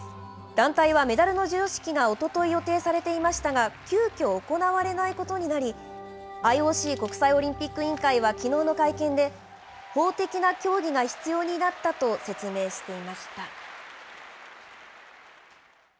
団体はメダルの授与式がおととい、予定されていましたが、急きょ、行われないことになり、ＩＯＣ・国際オリンピック委員会はきのうの会見で、法的な協議が必要になったと説明していました。